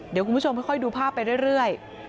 เดี๋ยวคุณผู้ชมค่อยดูภาพไปเรื่อย